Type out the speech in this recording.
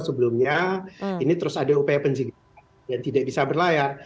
sebelumnya ini terus ada upaya penjagaan dan tidak bisa berlayar